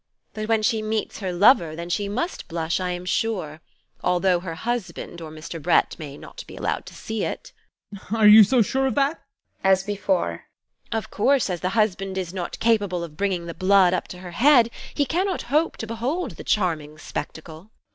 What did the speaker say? But when she meets her lover, then she must blush, I am sure, although her husband or Mr. Bret may not be allowed to see it. ADOLPH. Are you so sure of that? TEKLA. [As before] Of course, as the husband is not capable of bringing the blood up to her head, he cannot hope to behold the charming spectacle.